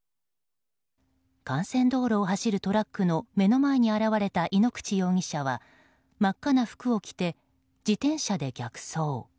幹線道路を走るトラックの目の前に現れた井ノ口容疑者は真っ赤な服を着て自転車で逆走。